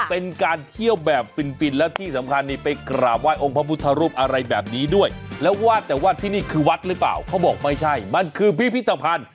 เป็นการเที่ยวแบบฟินฟินแล้วที่สำคัญนี่ไปกราบไห้องค์พระพุทธรูปอะไรแบบนี้ด้วยแล้วว่าแต่ว่าที่นี่คือวัดหรือเปล่าเขาบอกไม่ใช่มันคือพิพิธภัณฑ์